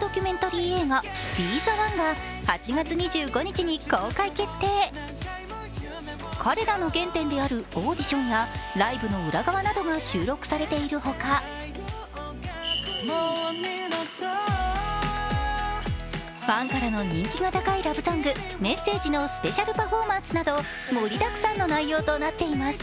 ドキュメンタリー映画、「ＢＥ：ｔｈｅＯＮＥ」が８月２５日に公開決定彼らの原点であるオーディションやライブの裏側などが収録されているほかファンからの人気が高いラブソング、「Ｍｅｓｓａｇｅ」のスペシャルパフォーマンスなど盛りだくさんの内容となっています。